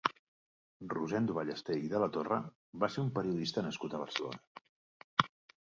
Rosendo Ballester i de la Torre va ser un periodista nascut a Barcelona.